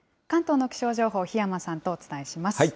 関東の気象情報、檜山さんとお伝えします。